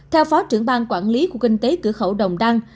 theo phó trưởng bang quản lý khu kinh tế cửa khẩu đồng đăng